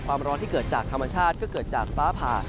ความร้อนที่เกิดจากธรรมชาติก็เกิดจากฟ้าผ่า